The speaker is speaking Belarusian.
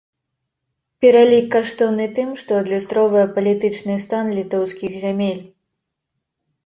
Пералік каштоўны тым, што адлюстроўвае палітычны стан літоўскіх зямель.